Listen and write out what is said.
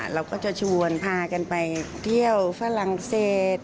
เราก็จะชวนพากันไปเที่ยวฝรั่งเศส